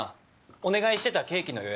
お願いしてたケーキの予約って。